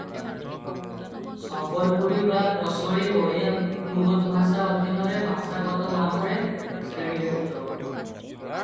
ସମ୍ବଲପୁରୀ ବା କୋସଳୀ ଓଡ଼ିଆ ବୃହତଭାଷା ଅଧୀନରେ ଭାଷାଗତ ଭାବରେ ଶ୍ରେଣୀଭୁକ୍ତ ।